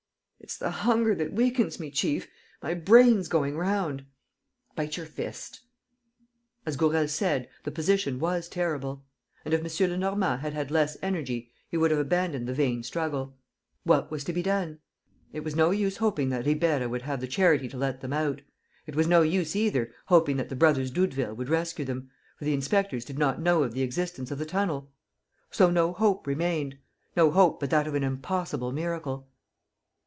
"It's the hunger that weakens me, chief; my brain's going round." "Bite your fist!" As Gourel said, the position was terrible; and, if M. Lenormand had had less energy, he would have abandoned the vain struggle. What was to be done? It was no use hoping that Ribeira would have the charity to let them out. It was no use either hoping that the brothers Doudeville would rescue them, for the inspectors did not know of the existence of the tunnel. So no hope remained ... no hope but that of an impossible miracle.